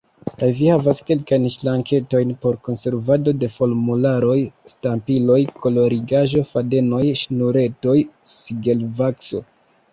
Kaj vi havas kelkajn ŝranketojn por konservado de formularoj, stampiloj, kolorigaĵo, fadenoj, ŝnuretoj, sigelvakso.